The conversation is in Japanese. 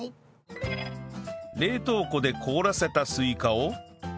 冷凍庫で凍らせたスイカを